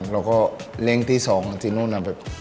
แล้วก็เล่นที่สองที่นู่น